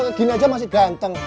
kayak gini aja masih ganteng